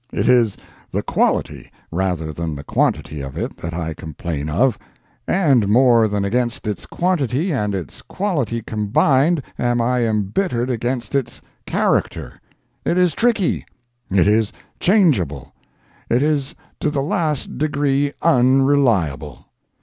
It is the quality rather than the quantity of it that I complain of; and more than against its quantity and its quality combined am I embittered against its character. It is tricky, it is changeable, it is to the last degree unreliable.